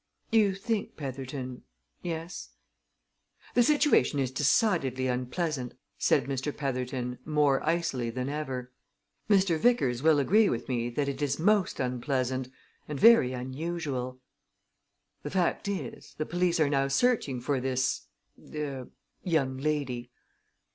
"You think, Petherton yes?" "The situation is decidedly unpleasant," said Mr. Petherton, more icily than ever. "Mr. Vickers will agree with me that it is most unpleasant and very unusual. The fact is the police are now searching for this er, young lady."